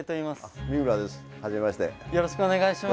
よろしくお願いします。